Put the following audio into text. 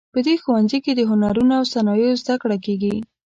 په دې ښوونځي کې د هنرونو او صنایعو زده کړه کیږي